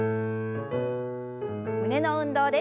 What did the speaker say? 胸の運動です。